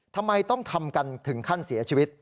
ทำไมต้องทำกันถึงขั้นเสียชีวิต